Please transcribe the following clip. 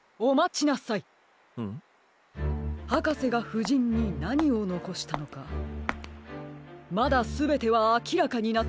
はかせがふじんになにをのこしたのかまだすべてはあきらかになっていません。